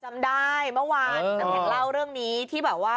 จำได้เมื่อวานน้ำแข็งเล่าเรื่องนี้ที่แบบว่า